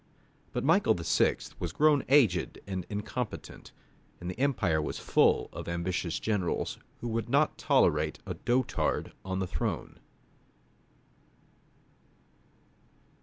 But Michael VI. was grown aged and incompetent, and the empire was full of ambitious generals, who would not tolerate a dotard on the throne.